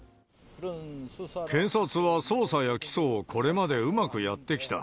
検察は、捜査や起訴をこれまでうまくやってきた。